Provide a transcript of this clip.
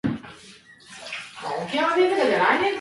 Call nine one one if there is an emergency.